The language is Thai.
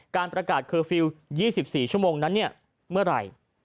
การประกาศเคอร์ฟิลล์๒๔ชั่วโมงนั้นเมื่อไหร่